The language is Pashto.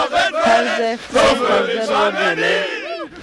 هر ځای خدای حاضر وبولئ.